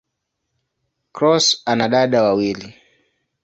Cross ana dada wawili.